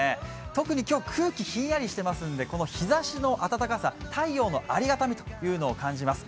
特に今日、空気がひんやりしていますので、日ざしの暖かさ、太陽のありがたみというのを感じます。